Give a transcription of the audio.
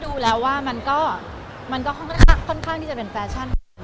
ดูมาแล้วมันก็ค่อนข้างที่จะเป็นคำคาญ